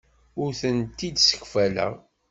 Ur ten-id-ssekfaleɣ.